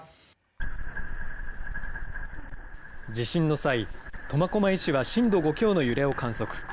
地震の際、苫小牧市は震度５強の揺れを観測。